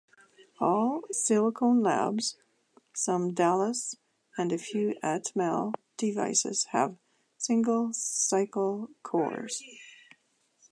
All Silicon Labs, some Dallas and a few Atmel devices have single cycle cores.